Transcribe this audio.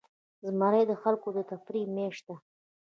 زمری د خلکو د تفریح میاشت ده.